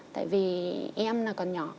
tại vì em còn nhỏ